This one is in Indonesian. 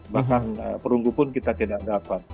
bahkan perunggu pun kita tidak dapat